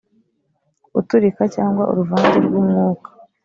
uturika cyangwa uruvange rw’umwuka